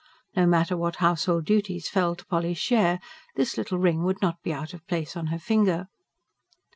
No matter what household duties fell to Polly's share, this little ring would not be out of place on her finger.